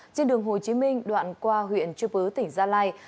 trên đường hồ chí minh đoạn qua huyện chư bứ tỉnh gia lai